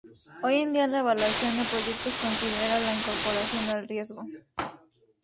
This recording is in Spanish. Hoy en día la evaluación de proyectos considera la incorporación del riesgo.